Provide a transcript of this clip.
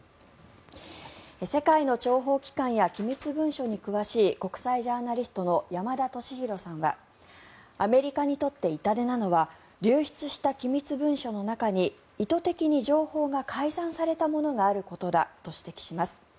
世界の諜報機関や機密文書に詳しい国際ジャーナリストの山田敏弘さんはアメリカにとって痛手なのは流出した機密文書の中に意図的に情報が改ざんされたものがあることだと指摘しています。